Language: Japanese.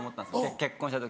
結婚した時。